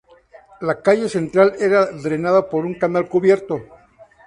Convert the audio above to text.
La calle central era drenada por un canal cubierto.